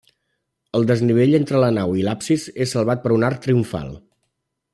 El desnivell entre la nau i l'absis és salvat per un arc triomfal.